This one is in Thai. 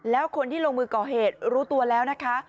แล้วคนที่ลงมือก่อเหตุรู้ตัวแล้วนะคะ